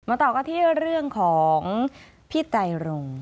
ต่อกันที่เรื่องของพี่ไตรรง